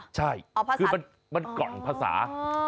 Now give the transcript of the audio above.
ใช่คือมันก่อนภาษา